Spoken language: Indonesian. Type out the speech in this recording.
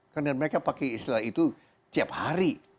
karena mereka pakai istilah itu tiap hari